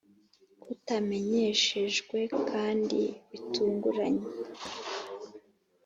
kutamenyeshejwe kandi bitunguranye,